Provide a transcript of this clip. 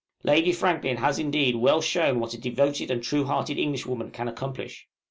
Lady Franklin has, indeed, well shown what a devoted and true hearted English woman can accomplish.